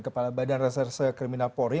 kepala badan reserse kriminal polri